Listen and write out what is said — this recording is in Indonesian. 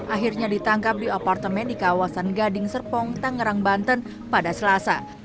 akhirnya ditangkap di apartemen di kawasan gading serpong tangerang banten pada selasa